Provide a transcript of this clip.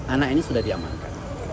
anak ini sudah diamankan